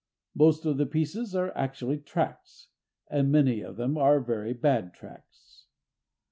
Most of the pieces are actually tracts, and many of them are very bad tracts.